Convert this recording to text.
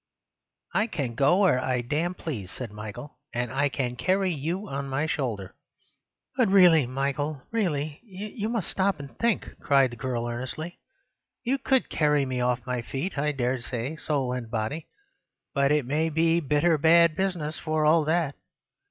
"I can go where I damn please," said Michael, "and I can carry you on my shoulder." "But really, Michael, really, you must stop and think!" cried the girl earnestly. "You could carry me off my feet, I dare say, soul and body, but it may be bitter bad business for all that.